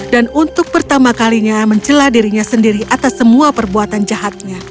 dan untuk pertama kalinya mencela dirinya sendiri atas semua perbuatan jahatnya